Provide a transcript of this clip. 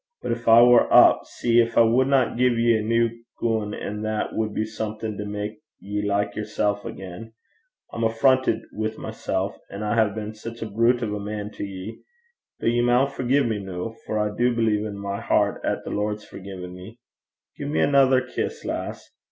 But gin I war up, see gin I wadna gie ye a new goon, an' that wad be something to make ye like yersel' again. I'm affrontet wi' mysel' 'at I had been sic a brute o' a man to ye. But ye maun forgie me noo, for I do believe i' my hert 'at the Lord's forgien me. Gie me anither kiss, lass.